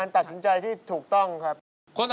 กับพอรู้ดวงชะตาของเขาแล้วนะครับ